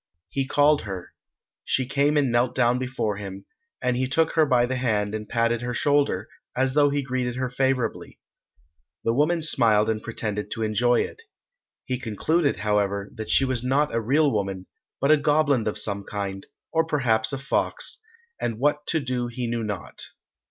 He called her. She came and knelt down before him, and he took her by the hand and patted her shoulder, as though he greeted her favourably. The woman smiled and pretended to enjoy it. He concluded, however, that she was not a real woman, but a goblin of some kind, or perhaps a fox, and what to do he knew not.